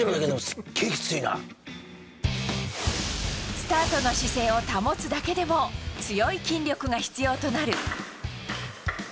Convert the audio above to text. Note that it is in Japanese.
スタートの姿勢を保つだけでも強い筋力が必要となる。